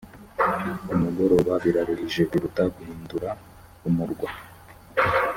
kumugorora biraruhije biruta guhindura umurwa